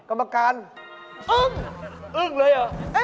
กรรมการอึ้งอึ้งเลยเหรอ